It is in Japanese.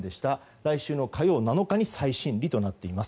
来週火曜の７日に再審理となっています。